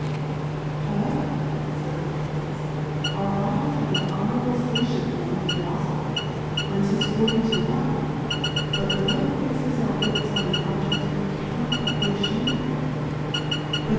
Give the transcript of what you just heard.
However, [ays the Cotintefs^ our Vials have an honourable Station among the Phiiofophers, when 'tis Forty to One, but Love fixes our Wits on an Objeci: we cannot but be afham'd of: But to take Plurality ^/WORLDS.